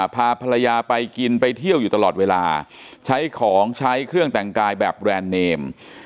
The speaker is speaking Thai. พาภรรยาไปกินไปเที่ยวอยู่ตลอดเวลาใช้ของใช้เครื่องแต่งกายแบบแบรนด์เนม